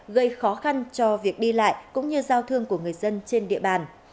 gây khó khăn cho việc đi lại cũng như giao thương của người dân trên địa bàn